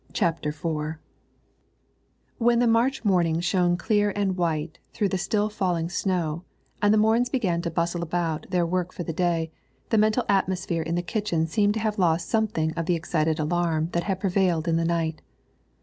CHAPTER IV When the March morning shone clear and white through the still falling snow, and the Morins began to bustle about their work for the day, the mental atmosphere in the kitchen seemed to have lost something of the excited alarm that had prevailed in the night.